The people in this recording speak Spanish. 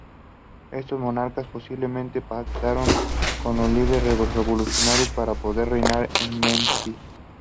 Estos monarcas, posiblemente pactaron con los líderes revolucionarios para poder reinar en Menfis.